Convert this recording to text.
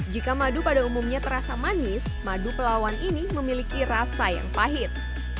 jika madu pada umumnya terasa manis madu pelawan ini memiliki rasa yang pahit